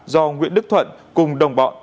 do nguyễn đức thuận cùng đồng bọn